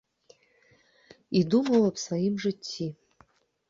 І думаў аб сваім жыцці.